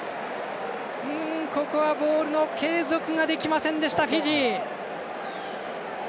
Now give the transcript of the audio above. ボールの継続ができませんでしたフィジー。